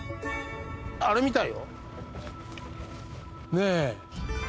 あれみたいよ。ねぇ。